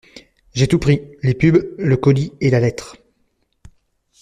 J’ai tout pris, les pubs, le colis et la lettre.